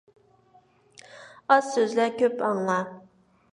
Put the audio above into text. ئاز سۆزلە، كۆپ ئاڭلا.